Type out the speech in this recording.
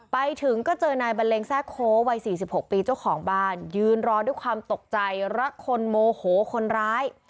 ไปถึงก็เจอนายบันเลงแทรกโค้วัย๔๖ปีเจ้าของบ้านยืนรอด้วยความตกใจรักคนโมโหคนร้าย